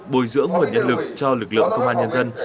bồi dưỡng nguồn nhân lực cho lực lượng công an nhân dân